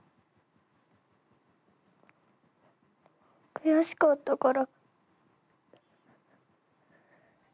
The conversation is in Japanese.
悔しかったから。